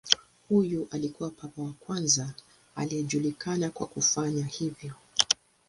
Huyu alikuwa papa wa kwanza anayejulikana kwa kufanya hivyo.